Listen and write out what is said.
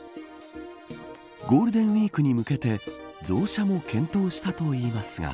ゴールデンウイークに向けて増車も検討したといいますが。